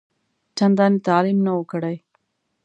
چنداني تعلیم نه وو کړی.